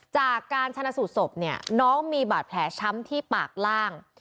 จากการชนะสูตรศพเนี่ยน้องมีบาดแผลช้ำที่ปากล่าง